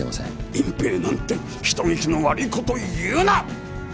隠蔽なんて人聞きの悪いこと言うな！